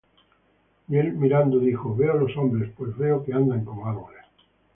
Y él mirando, dijo: Veo los hombres, pues veo que andan como árboles.